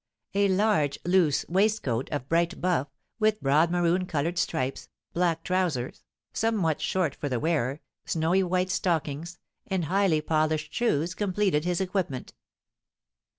A large, loose waistcoat, of bright buff, with broad maroon coloured stripes, black trousers, somewhat short for the wearer, snowy white stockings, and highly polished shoes completed his equipment.